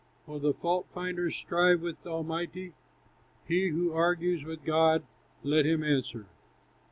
"Will the fault finder strive with Almighty? He who argues with God, let him answer.